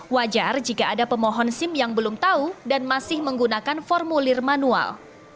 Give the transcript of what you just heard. wajar jika ada pemohon sim yang belum tahu dan masih menggunakan formulir manual